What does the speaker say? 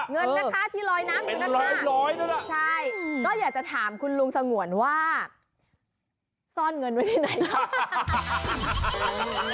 เงินนะคะที่ลอยน้ำอยู่นั่นน่ะใช่ก็อยากจะถามคุณลุงสงวนว่าซ่อนเงินไว้ที่ไหนล่ะ